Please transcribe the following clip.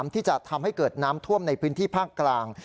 ที่จะทำให้เกิดน้ำท่วมในพื้นที่ภาคกลาง